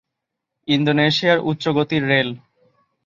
ইন্দোনেশিয়ার উচ্চগতির রেল